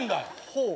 ほう。